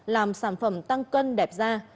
làm sản phẩm tăng cân đẹp da